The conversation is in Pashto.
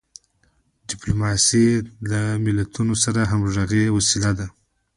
ډیپلوماسي له ملتونو سره د همږغی وسیله ده.